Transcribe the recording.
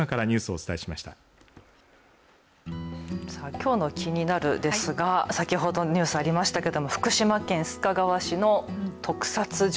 きょうのキニナル！ですが先ほどのニュースにありましたが福島県須賀川市の特撮塾。